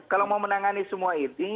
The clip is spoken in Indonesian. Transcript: kalau mau menangani semua ini